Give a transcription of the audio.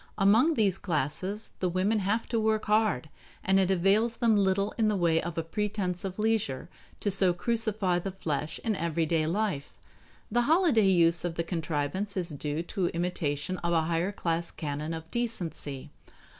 Among these classes the women have to work hard, and it avails them little in the way of a pretense of leisure to so crucify the flesh in everyday life. The holiday use of the contrivance is due to imitation of a higher class canon of decency.